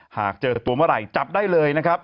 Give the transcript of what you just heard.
หากเจอตัวเมื่อไหร่จับได้เลยนะครับ